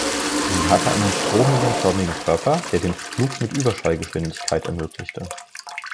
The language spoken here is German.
Sie hatte ein stromlinienförmigen Körper, der den Flug mit Überschallgeschwindigkeit ermöglichte.